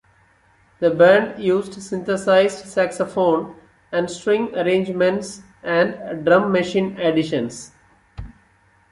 The band used synthesised saxophone and string arrangements and drum machine additions.